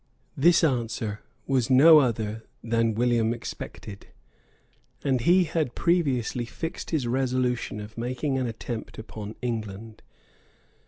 ] This answer was no other than William expected; and he had previously fixed his resolution of making an attempt upon England.